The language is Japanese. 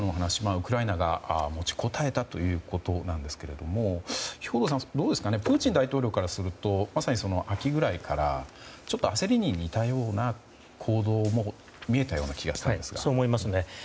ウクライナが持ちこたえたということなんですがプーチン大統領からするとまさに秋くらいからちょっと焦りに似たような行動もそう思いますね。